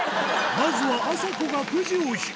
まずはあさこがくじを引く。